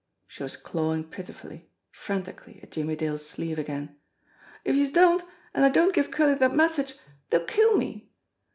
She was clawing pitifully, frantically at Jimmie Dale's sleeve again. "If youse don't, an' I don't give Curley dat message, dey'll kill me.